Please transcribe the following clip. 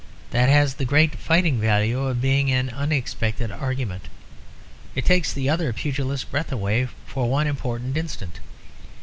That has the great fighting value of being an unexpected argument; it takes the other pugilist's breath away for one important instant.